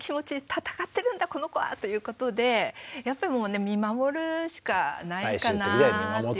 「闘ってるんだこの子は」ということでやっぱりもうね見守るしかないかなって。